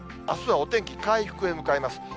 あすはお天気、回復へ向かいます。